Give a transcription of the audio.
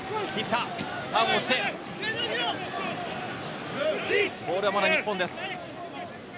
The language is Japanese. ターンをして、ボールはまだ日本です。